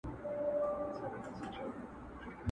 یوه ورخ پاچا وزیر ته ویل خره،